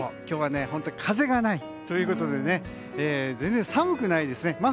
今日は本当に風がないということで全然寒くないですね。